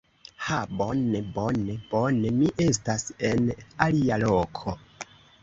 Ha! Bone, bone, bone. Mi estas en alia loko.